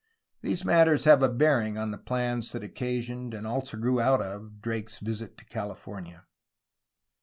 These matters have a bearing on the plans that occasioned, and also grew out of, Drake's visit to Cali fornia.